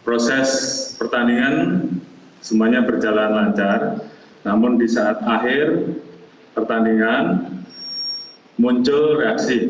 proses pertandingan semuanya berjalan lancar namun di saat akhir pertandingan muncul reaksi